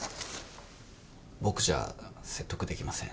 僕じゃ説得できません。